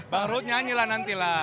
bang rud nyanyilah nanti lah